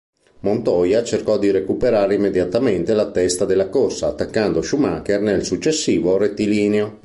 Montoya cercò di recuperare immediatamente la testa della corsa, attaccando Schumacher nel successivo rettilineo.